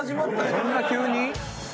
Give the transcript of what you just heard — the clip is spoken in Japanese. そんな急に？